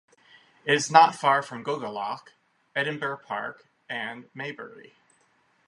It is not far from Gogarloch, Edinburgh Park and Maybury.